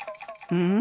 うん？